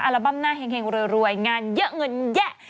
อัลบั้มน่าแห่งรวยงานเยอะเงินเยอะ